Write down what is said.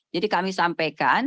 jadi kami sampaikan